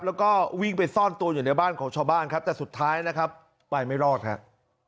แล้วก็วิ่งไปซ่อนตัวอยู่ในบ้านของชาวบ้านครับแต่สุดท้ายนะครับไปไม่รอดครับ